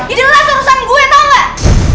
ini adalah urusan gue tau gak